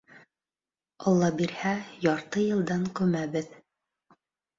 Алла бирһә, ярты йылдан күмәбеҙ!